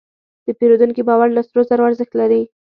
د پیرودونکي باور له سرو زرو ارزښت لري.